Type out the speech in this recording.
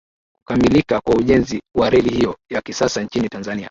Kukamilika kwa ujenzi wa reli hiyo ya kisasa nchini Tanzania